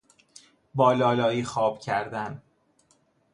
با لالایی خواب کردن